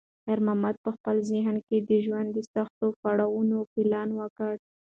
خیر محمد په خپل ذهن کې د ژوند د سختو پړاوونو پلان وکړ.